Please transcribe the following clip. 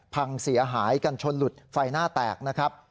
พังเสียหายกันชนหลุดไฟหน้าแตกนะครับ